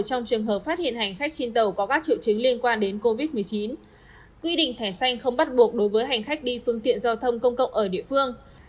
trong trường hợp phát hiện hành khách trên tàu có các triệu chứng liên quan đến covid một mươi chín quy định thẻ xanh không bắt buộc đối với hành khách đi phương tiện giao thông công cộng ở địa phương